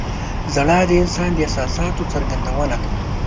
• ژړا د انسان د احساساتو څرګندونه ده.